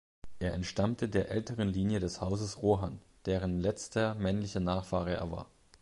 Er entstammte der älteren Linie des Hauses Rohan, deren letzter männlicher Nachfahre er war.